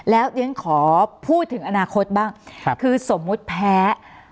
แล้วเรียนขอพูดถึงอนาคตบ้างคือสมมุติแพ้